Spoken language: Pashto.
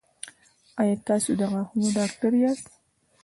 ایا تاسو د غاښونو ډاکټر یاست؟